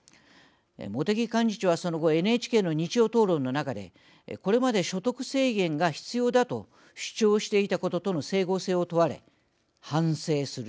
茂木幹事長はその後、ＮＨＫの日曜討論の中でこれまで所得制限が必要だと主張していたこととの整合性を問われ「反省する。